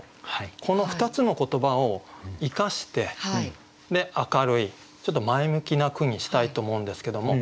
この２つの言葉を生かして明るいちょっと前向きな句にしたいと思うんですけども。